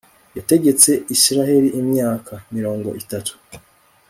yategetse israheli imyaka . .mirongo itatu